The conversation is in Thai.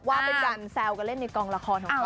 ว่าเป็นการแซวกันเล่นในกองละครของเขา